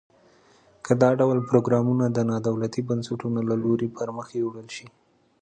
که دا ډول پروګرامونه د نا دولتي بنسټونو له لوري پرمخ یوړل شي.